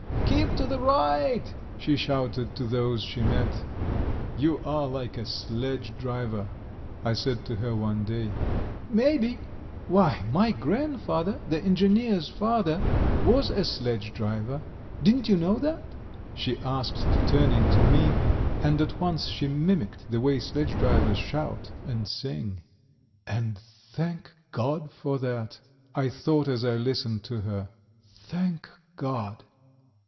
"Keep to the right!" she shouted to those she met. "You are like a sledge driver," I said to her one day. "Maybe! Why, my grandfather, the engineer's father, was a sledge driver. Didn't you know that?" she asked, turning to me, and at once she mimicked the way sledge drivers shout and sing. "And thank God for that," I thought as I listened to her. "Thank God."